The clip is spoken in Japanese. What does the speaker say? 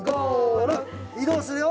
移動するよ。